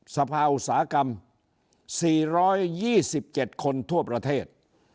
สภาอุตสาหกรรม๔๒๗คนทั่วประเทศ